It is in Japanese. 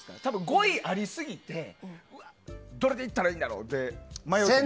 語彙がありすぎてどれでいったらいいんだろうって迷うと思う。